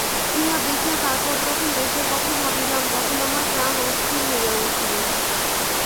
ইহা দেখিয়া তারপর যখন দেশের কথা ভাবিলাম, তখন আমার প্রাণ অস্থির হইয়া উঠিল।